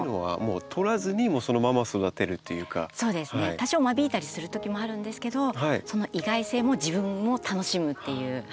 多少間引いたりするときもあるんですけどその意外性も自分も楽しむっていう。